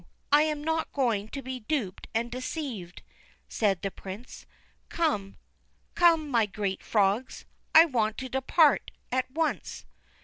I am not going to be duped and deceived,' said the Prince. ' Come I come, my great frogs ! I want to depart at once.'